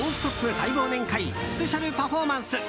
大忘年会スペシャルパフォーマンス。